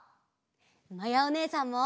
まやおねえさんも！